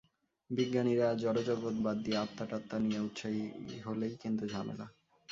বিজ্ঞানীরা জড়জগৎ বাদ দিয়ে আত্মাটাত্মা নিয়ে উৎসাহী হলেই কিন্তু ঝামেলা।